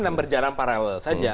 dan berjalan paralel saja